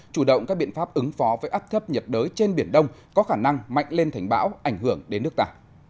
chủ động các biện pháp ứng phó với áp thấp nhiệt đới trên biển đông có khả năng mạnh lên thành bão ảnh hưởng đến nước ta